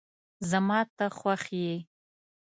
زما ته خوښ یی